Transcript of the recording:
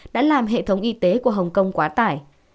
đã làm hệ thống y tế của hồng kông quá tải